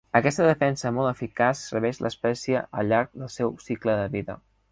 Aquesta defensa molt eficaç serveix l'espècie al llarg del seu cicle de vida.